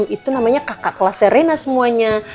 itu namanya kakak kelasnya rena semuanya